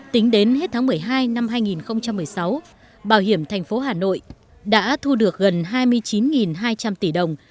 tính đến hết tháng một mươi hai năm hai nghìn một mươi sáu bảo hiểm thành phố hà nội đã thu được gần hai mươi chín hai trăm linh tỷ đồng